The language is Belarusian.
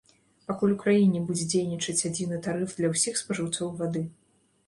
Пакуль у краіне будзе дзейнічаць адзіны тарыф для ўсіх спажыўцоў вады.